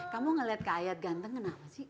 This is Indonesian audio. kamu ngelihat kak ayat ganteng kenapa sih